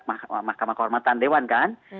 mahkamah kehormatan dewan kan